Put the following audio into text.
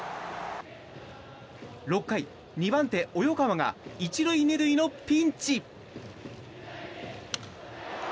６回、２番手の及川が１塁、２塁のピンチ。